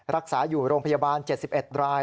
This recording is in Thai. รักษาอยู่โรงพยาบาล๗๑ราย